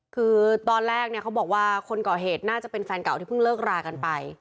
คือตอนแรกเนี่ยเขาบอกว่าคนก่อเหตุน่าจะเป็นแฟนเก่าที่เพิ่งเลิกรากันไป